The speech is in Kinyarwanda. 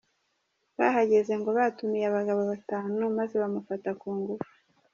Bahageze ngo batumiye abagabo batanu, maze bamufata ku ngufu.